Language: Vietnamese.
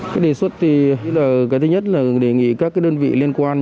cái đề xuất thì cái thứ nhất là đề nghị các cái đơn vị liên quan